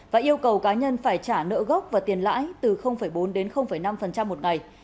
và yêu cầu cá nhân phải trả nợ gốc và tiền lãi từ bốn đến năm một ngày